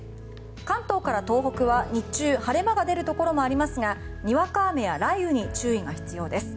関東から東北は日中、晴れ間が出るところもありますがにわか雨や雷雨に注意が必要です。